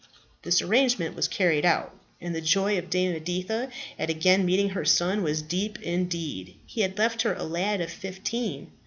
This arrangement was carried out, and the joy of Dame Editha at again meeting her son was deep indeed. He had left her a lad of fifteen.